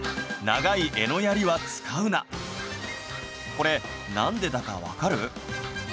これなんでだかわかる？